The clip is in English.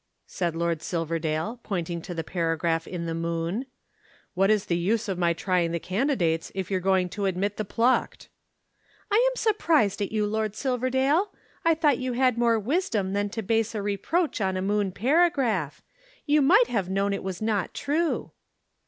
said Lord Silverdale, pointing to the paragraph in the Moon. "What is the use of my trying the candidates if you're going to admit the plucked?" "I am surprised at you, Lord Silverdale. I thought you had more wisdom than to base a reproach on a Moon paragraph. You might have known it was not true."